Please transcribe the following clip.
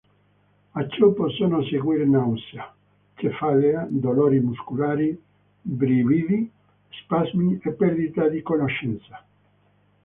A ciò possono seguire nausea, cefalea, dolori muscolari, brividi, spasmi e perdita di conoscenza.